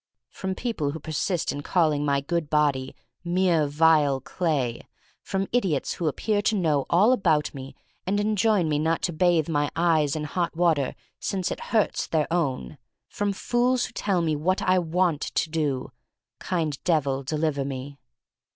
From people who persist in calling my good body "mere vile clay"; from idiots who appear to know all about me and enjoin me not to bathe my eyes in hot water since it hurts their own; from fools who tell me what I "want to do: Kind Devil, deliver me.